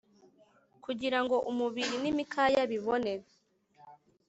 kugira ngo umubiri nimikaya bibone